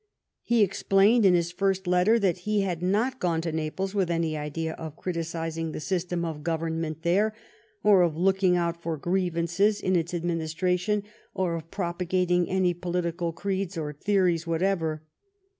He explained in his first letter that he had not gone to Naples with any idea of criticising the system of government there, or of looking out for grievances in its administration, or of propagating any political creeds or theories what ever.